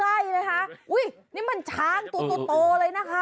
อุ้ยนี่มันช้างโตเลยนะคะ